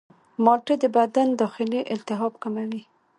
مالټې د بدن داخلي التهابات کموي.